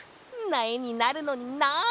なえになるのにな。